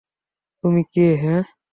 তুমি কে হে?